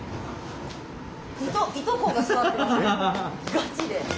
ガチで。